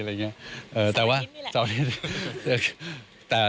ใส่ลิ้มนี่แหละ